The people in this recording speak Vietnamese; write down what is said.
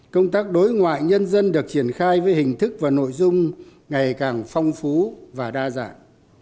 công tác đối ngoại nhân dân được triển khai với hình thức và nội dung ngày càng phong phú và đa dạng